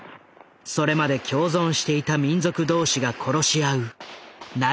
それまで共存していた民族同士が殺し合う内戦が勃発。